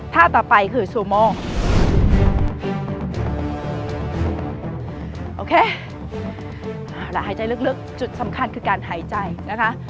ต่อไปคือซูโมโอเคเอาล่ะหายใจลึกจุดสำคัญคือการหายใจนะคะ